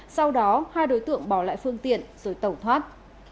sau đó hai đối tượng bỏ lại phương tiện rồi tẩu thoát